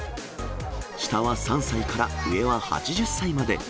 下は３歳から上は８０歳まで。